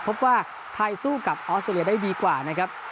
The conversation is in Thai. พบว่าไทยสู้กับออสเตรเลียได้ดีกว่านะครับ